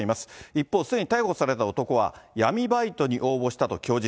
一方、すでに逮捕された男は、闇バイトに応募したと供述。